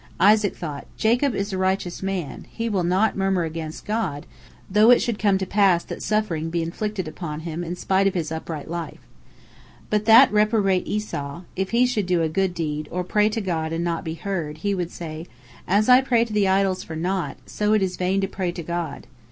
Isaac thought: "Jacob is a righteous man, he will not murmur against God, though it should come to pass that suffering be inflicted upon him in spite of his upright life. But that reprobate Esau, if he should do a good deed, or pray to God and not be heard, he would say, 'As I pray to the idols for naught, so it is in vain to pray to God.'"